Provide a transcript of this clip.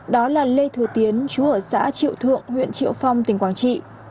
đó là lê thừa tiến chú ở xã triệu thượng huyện triệu phong tỉnh quảng trị